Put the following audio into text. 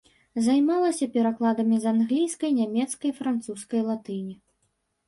Займалася перакладамі з англійскай, нямецкай, французскай, латыні.